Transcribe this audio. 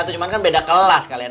atau cuman kan beda kelas kalian